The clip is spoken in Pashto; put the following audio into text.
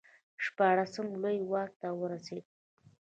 شپاړسم لویي واک ته ورسېد.